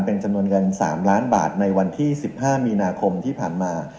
เป็นจำนวนเงิน๓ล้านบาทในวันที่๑๕มีนาคมที่ผ่านมา